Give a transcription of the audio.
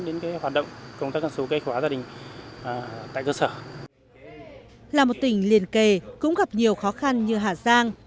là một tỉnh liên kề cũng gặp nhiều khó khăn như hà giang